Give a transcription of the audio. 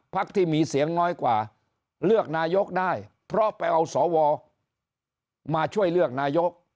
ที่มีเสียงน้อยกว่าเลือกนายกได้เพราะไปเอาสวมาช่วยเลือกนายก